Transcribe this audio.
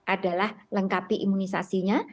adalah lengkapi imunisasinya